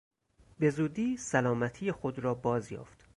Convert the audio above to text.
به زودی سلامتی خود را بازیافت.